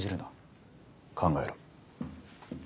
考えろ。